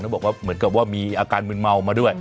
บอกว่าเหมือนกับว่ามีอาการมืนเมามาด้วย